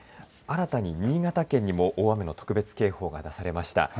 新たに新潟県にも大雨の特別警報が出されました。